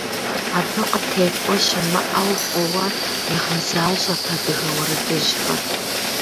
Абы къытекӏуэ щымыӏэу фӏыуэ игъэзащӏэрт адыгэ уэрэдыжьхэр.